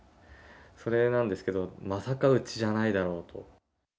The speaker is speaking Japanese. それなんですけど、まさかうちじゃないだろうと。